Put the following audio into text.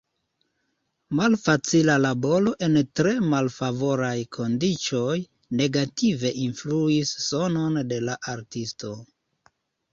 Malfacila laboro en tre malfavoraj kondiĉoj negative influis sanon de la artisto.